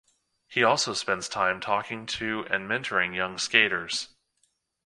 He also spends time talking to and mentoring young skaters.